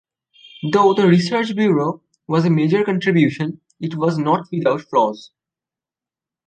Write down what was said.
Though the research bureau was a major contribution, it was not without flaws.